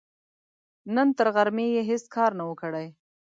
نن تر غرمې يې هيڅ کار نه و، کړی.